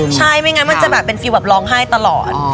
ใช่ไม่งั้นมันจะแบบเป็นฟิลแบบร้องไห้ตลอด